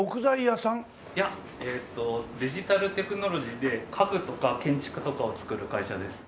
いやデジタルテクノロジーで家具とか建築とかを作る会社です。